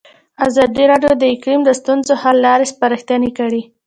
ازادي راډیو د اقلیم د ستونزو حل لارې سپارښتنې کړي.